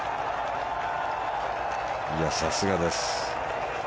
さすがです。